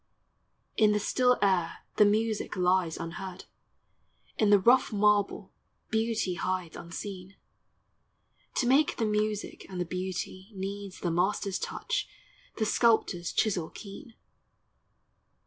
In the still air the music lies unheard; Iu the rough marble beauty hides unseen: To make the music and the beauty, needs The master's touch, the sculptor's chisel keen.